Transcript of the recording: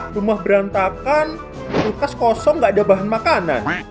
rumah berantakan lukas kosong nggak ada bahan makanan